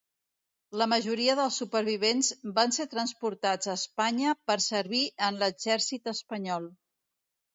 La majoria dels supervivents van ser transportats a Espanya per servir en l'exèrcit espanyol.